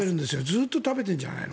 ずっと食べてるんじゃないの。